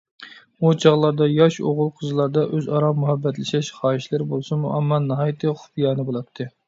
ئۇ چاغلاردا ياش ئوغۇل-قىزلاردا ئۆزئارا مۇھەببەتلىشىش خاھىشلىرى بولسىمۇ، ئەمما ناھايىتى خۇپىيانە بولاتتى.